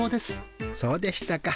そうでしたか。